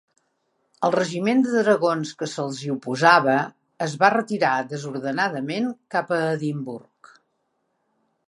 El regiment de dragons que se'ls hi oposava es va retirar desordenadament cap a Edimburg.